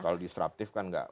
kalau disruptive kan enggak